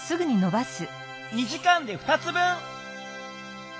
２時間で２つ分！